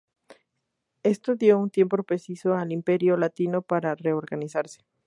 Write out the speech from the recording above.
Esto dio un tiempo precioso al Imperio Latino para reorganizarse.